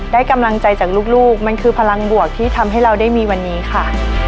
ได้กำลังใจจากลูกมันคือพลังบวกที่ทำให้เราได้มีวันนี้ค่ะ